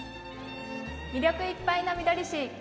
魅力いっぱいのみどり市。